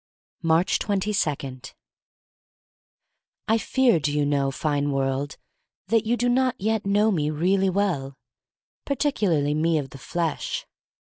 Aatcb 22. * I FEAR, do you know, fine world, that you do not yet know me really well — particularly me of the flesh.